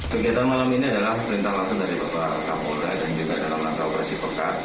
kegiatan malam ini adalah perintah langsung dari bapak kapolda dan juga dalam langkah operasi pekat